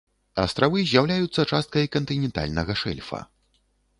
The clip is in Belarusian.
Астравы з'яўляюцца часткай кантынентальнага шэльфа.